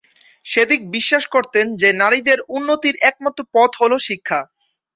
সেদিক বিশ্বাস করতেন যে নারীদের উন্নতির একমাত্র পথ হল শিক্ষা।